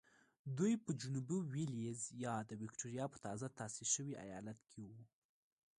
دوی په جنوبي وېلز یا د ویکټوریا په تازه تاسیس شوي ایالت کې وو.